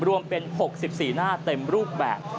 รวมเป็น๖๔หน้าเต็มรูปแบบ